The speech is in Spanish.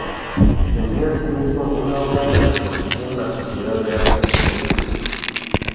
Envió así mismo una obra a la Exposición la Sociedad de Arte de Turku.